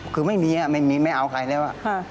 คือไม่มีไม่เอาใครแล้ว